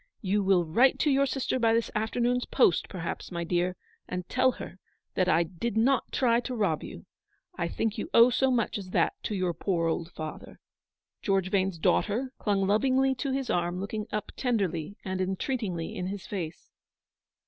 You will write to your sister by this afternoon's post, perhaps, my dear, and tell her that I did not try to rob you. I think you owe so much as that to your poor old father/' George Vane's daughter clung lovingly to his arm, looking up tenderly and entreatingly in his face.